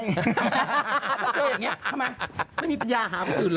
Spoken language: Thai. แล้วเจออย่างนี้ทำไมไม่มีปัญญาหาคนอื่นเหรอ